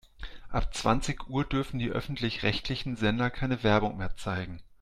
Ab zwanzig Uhr dürfen die öffentlich-rechtlichen Sender keine Werbung mehr zeigen.